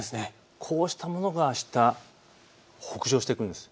こうしたものがあした北上してくるんです。